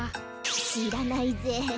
しらないぜ。